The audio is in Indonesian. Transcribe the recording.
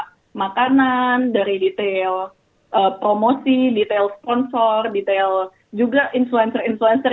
dari makanan dari detail promosi detail sponsor detail juga influencer influencer